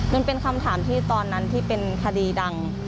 มันเป็นคำถามที่ตอนนั้นที่เป็นคดีดัง